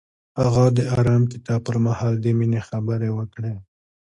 هغه د آرام کتاب پر مهال د مینې خبرې وکړې.